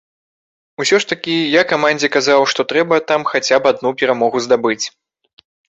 Усё ж такі я камандзе казаў, што трэба там хаця б адну перамогу здабыць.